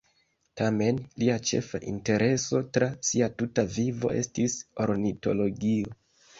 Tamen, lia ĉefa intereso tra sia tuta vivo estis ornitologio.